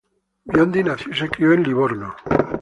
Biondi nació y se crio en Livorno.